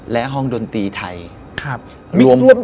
และห้องดนตรีไทย